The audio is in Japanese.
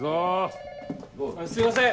すいません！